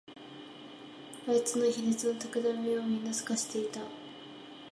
あいつの卑劣なたくらみをみんな見透かしていた